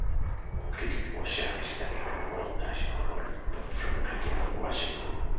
Cricket Russia is the main enrolled National Governing Body for Cricket in Russia.